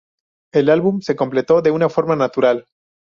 El álbum se completó de una forma natural.